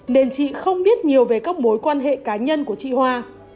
nên chị không biết nhiều về các mối quan hệ cá nhân của chị hoa